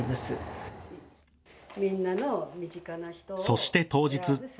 そして当日。